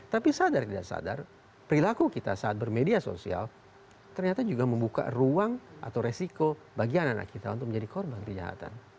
tapi sadar tidak sadar perilaku kita saat bermedia sosial ternyata juga membuka ruang atau resiko bagi anak anak kita untuk menjadi korban kejahatan